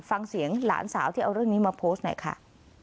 ฟังเสียงหลานสาวที่เอาเรื่องนี้มาโพสต์หน่อยค่ะ